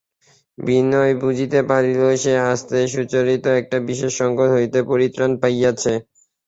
বিনয় বুঝিতে পারিল সে আসাতে সুচরিতা একটা বিশেষ সংকট হইতে পরিত্রাণ পাইয়াছে।